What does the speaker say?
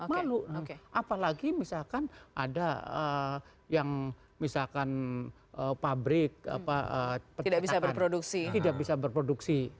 malu apalagi misalkan ada yang misalkan pabrik tidak bisa berproduksi